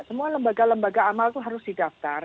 semua lembaga lembaga amal itu harus didaftar